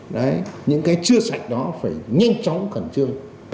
đấy những cái chưa sạch đó phải nhanh chóng khẩn trương